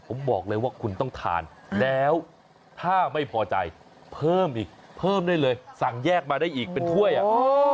ผมบอกเลยว่าคุณต้องทานแล้วถ้าไม่พอใจเพิ่มอีกเพิ่มได้เลยสั่งแยกมาได้อีกเป็นถ้วยอ่ะ